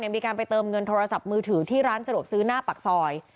มีการไปเติมเงินโทรศัพท์มือถือที่ร้านสะดวกซื้อหน้าปากซอย